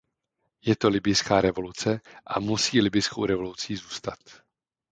Je to libyjská revoluce, a musí libyjskou revolucí zůstat.